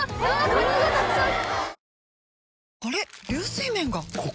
カニがたくさん！